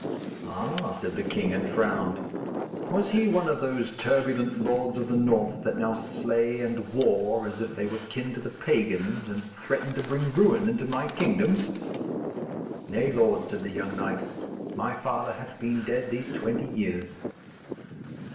'Ah,' said the king, and frowned, 'was he one of those turbulent lords of the north that now slay and war as if they were kin to the pagans, and threaten to bring ruin into my kingdom?' 'Nay, lord,' said the young knight, 'my father hath been dead these twenty years.'